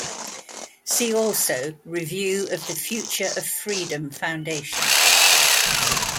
See also review of the Future of Freedom Foundation.